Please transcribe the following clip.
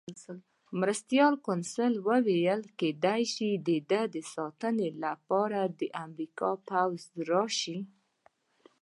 مرستیال کونسل وویل: کېدای شي د ده د ساتنې لپاره د امریکا پوځ راشي.